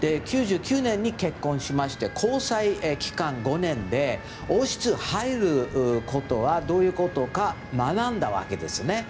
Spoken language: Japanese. ９９年に結婚しまして交際期間５年で王室に入ることはどういうことか学んだわけですね。